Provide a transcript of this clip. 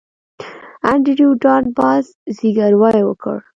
انډریو ډاټ باس زګیروی وکړ